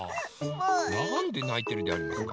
なんでないてるでありますか？